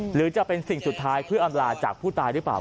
หรือจะเป็นสิ่งสุดท้ายเพื่ออำลาจากผู้ตายหรือเปล่า